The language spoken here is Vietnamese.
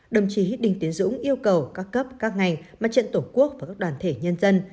đồng chí đinh tiến dũng yêu cầu các cấp các ngành mặt trận tổ quốc và các đoàn thể nhân dân